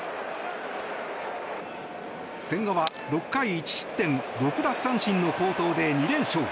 千賀は６回１失点６奪三振の好投で２連勝。